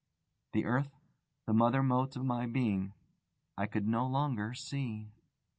The earth, the mother mote of my being, I could no longer see.